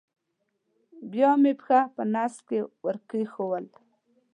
بیا مې پښه په نس کې ور کېښوول.